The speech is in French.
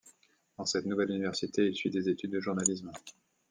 Dans cette nouvelle université, il suit des études de journalisme.